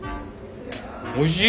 おいしい！